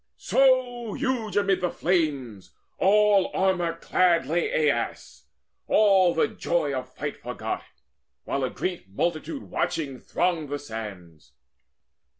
So huge amid the flames, all armour clad, Lay Aias, all the joy of fight forgot, While a great multitude watching thronged the sands.